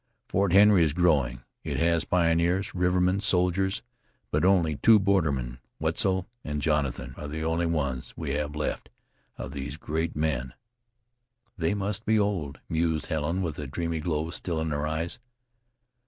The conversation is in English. Fort Henry is growing; it has pioneers, rivermen, soldiers, but only two bordermen. Wetzel and Jonathan are the only ones we have left of those great men." "They must be old," mused Helen, with a dreamy glow still in her eyes.